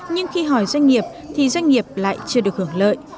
nhưng khi hỏi doanh nghiệp thì doanh nghiệp lại chưa được hưởng lợi